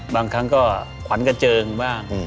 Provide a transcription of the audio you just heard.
บางครั้งก็ขวัญกระเจิงบ้าง